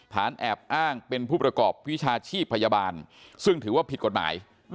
แอบอ้างเป็นผู้ประกอบวิชาชีพพยาบาลซึ่งถือว่าผิดกฎหมาย